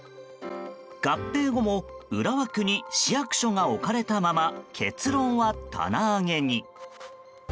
合併後も浦和区に市役所が置かれたまま結論は棚上げに。